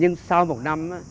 nhưng sau một năm